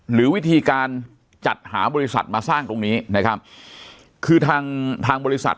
หรือวิธีการจัดหาบริษัทมาสร้างตรงนี้นะครับคือทางทางบริษัท